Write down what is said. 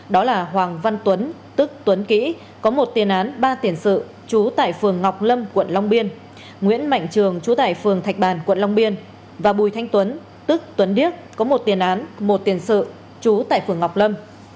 đó là hoàng văn tuấn tức tuấn kỹ có một tiền án ba tiền sự chú tại phường ngọc lâm quận long biên nguyễn mạnh trường chú tại phường thạch bàn quận long biên và bùi thanh tuấn tức tuấn điếc có một tiền án một tiền sự chú tại phường ngọc lâm